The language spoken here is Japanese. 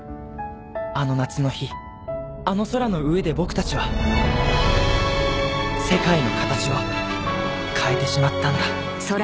あの夏の日あの空の上で僕たちは世界の形を変えてしまったんだ